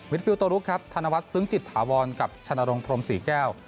วิทธิ์ฟิลโตรุกครับธนวัฒน์ซึ้งจิตถาวรกับชนโรงพรมสี่แก้ว